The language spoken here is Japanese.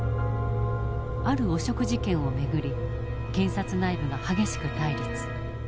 ある汚職事件を巡り検察内部が激しく対立。